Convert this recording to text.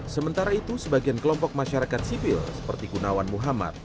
sementara itu sebagian kelompok masyarakat sipil seperti gunawan muhammad